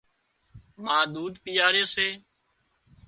ما ۮوڌ پيئاري سي